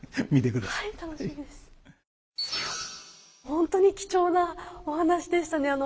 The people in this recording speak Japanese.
本当に貴重なお話でしたね。